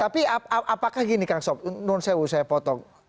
tapi apakah gini kang sob menurut saya saya potong